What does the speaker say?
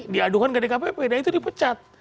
diadukan ke dkpp dan itu dipecat